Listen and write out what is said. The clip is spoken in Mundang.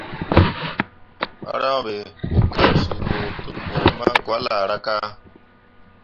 Paran be, mo gab suu bo tebǝ makolahraka.